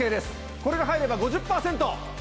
これが入れば５０％。